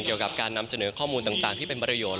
เกี่ยวกับการนำเสนอข้อมูลต่างที่เป็นประโยชน